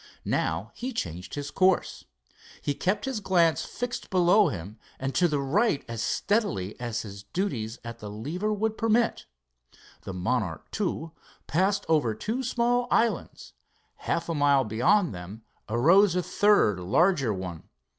Now he changed his course. He kept his glance fixed below him and to the right as steadily as his duties at the lever would permit. The Monarch II passed over two small islands. Half a mile beyond them arose a third larger one.